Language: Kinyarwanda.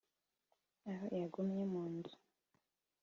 aho yagumye mu nzu